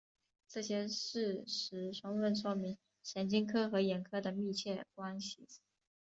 这些事实充分说明神经科和眼科的密切关系。